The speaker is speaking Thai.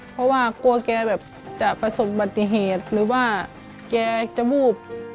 เพราะว่ากลัวแกแบบจะประสบบัติเหตุหรือว่าแกจะวูบ